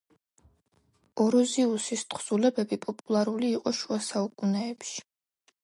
ოროზიუსის თხზულებები პოპულარული იყო შუა საუკუნეებში.